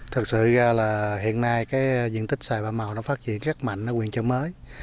thực sự ra là hiện nay cái diện tích xoài và màu nó phát triển rất mạnh ở quyện chợ mới